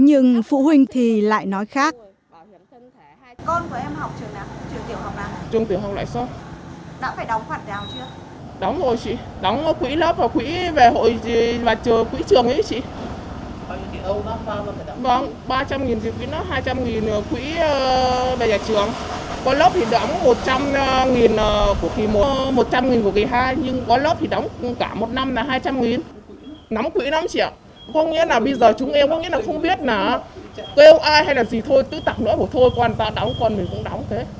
nóng quỹ năm triệu có nghĩa là bây giờ chúng em không biết là kêu ai hay là gì thôi tự tặng nữa thôi con ta đóng con mình cũng đóng thế